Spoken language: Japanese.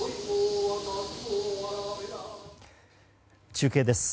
中継です。